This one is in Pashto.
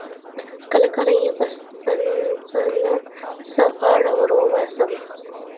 کله کله یې په نه څه غاړه ور وباسم.